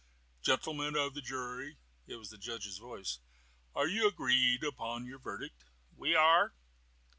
"Gentlemen of the jury" it was the judge's voice "are you agreed upon your verdict?" "We are."